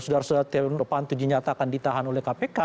sudara setiawapanto dinyatakan ditahan oleh kpk